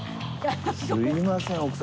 すいません奥様。